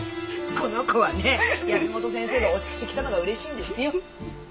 この子はね保本先生がお仕着せ着たのがうれしいんですよ。